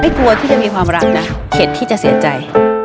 กลัวที่จะมีความรักนะเข็ดที่จะเสียใจ